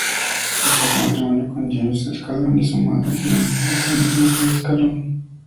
Contrajo matrimonio con James Scanlon y es madre de Liam y Jean Murray Scanlon.